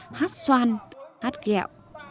thì hát xoan hát ghẹo